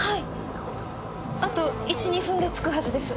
あと１２分で着くはずです。